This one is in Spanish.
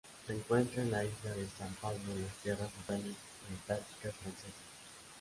Se encuentra en Isla de San Pablo en las Tierras Australes y Antárticas Francesas.